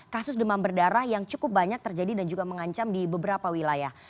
kasus demam berdarah yang cukup banyak terjadi dan juga mengancam di beberapa wilayah